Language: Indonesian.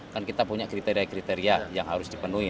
kan kita punya kriteria kriteria yang harus dipenuhi